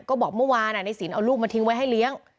ก็บอกเมื่อวานในสินเอาลูกมาทิ้งไว้ให้เลี้ยง